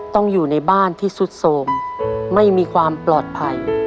ต้องอยู่ในบ้านที่สุดโสมไม่มีความปลอดภัย